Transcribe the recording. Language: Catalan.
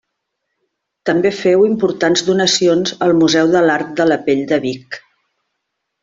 També feu importants donacions al Museu de l'Art de la Pell de Vic.